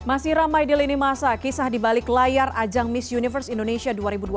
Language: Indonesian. masih ramai di lini masa kisah di balik layar ajang miss universe indonesia dua ribu dua puluh